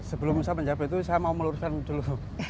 sebelum saya menjawab itu saya mau meluruskan dulu